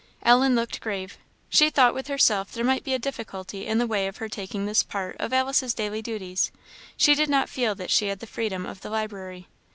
Ellen looked grave; she thought with herself there might be a difficulty in the way of her taking this part of Alice's daily duties; she did not feel that she had the freedom of the library.